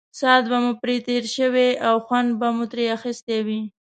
ساعت به مو پرې تېر شوی او خوند به مو ترې اخیستی وي.